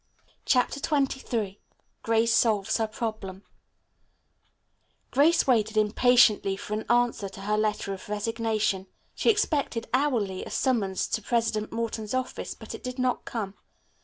CHAPTER XXIII GRACE SOLVES HER PROBLEM Grace waited impatiently for an answer to her letter of resignation. She expected hourly a summons to President Morton's office, but it did not come.